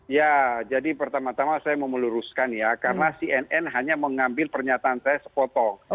ya jadi pertama tama saya mau meluruskan ya karena cnn hanya mengambil pernyataan saya sepotong